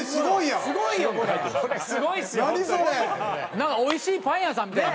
なんかおいしいパン屋さんみたいな。